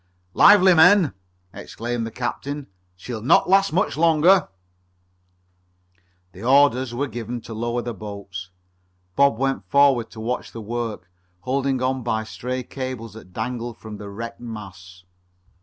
"Lively, men!" exclaimed the captain. "She'll not last much longer!" The orders were given to lower the boats. Bob went forward to watch the work, holding on by stray cables that dangled from the wrecked masts.